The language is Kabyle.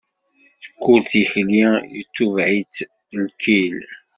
Kul tikli itubeɛ-itt lkil.